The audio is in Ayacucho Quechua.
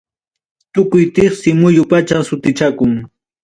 Tukuy tiksi muyum pacha sutichakun.